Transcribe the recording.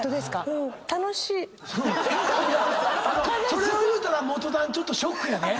それを言うたら元ダンちょっとショックやで？